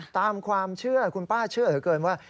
ตามความเชื่อคุณป้าเชื่อเหลือเกินว่า